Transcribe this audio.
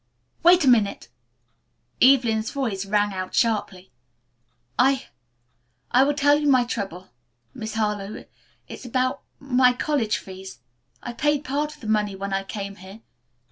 "Wait a minute!" Evelyn's voice rang out sharply. "I I will tell you my trouble, Miss Harlowe. It's about my college fees. I paid part of the money when I came here.